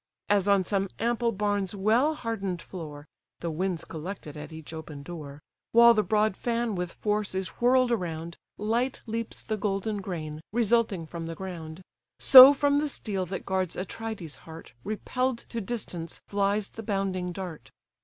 As on some ample barn's well harden'd floor, (The winds collected at each open door,) While the broad fan with force is whirl'd around, Light leaps the golden grain, resulting from the ground: So from the steel that guards Atrides' heart, Repell'd to distance flies the bounding dart.